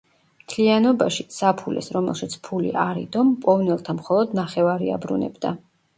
მთლიანობაში, საფულეს, რომელშიც ფული არ იდო, მპოვნელთა მხოლოდ ნახევარი აბრუნებდა.